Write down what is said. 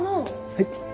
はい。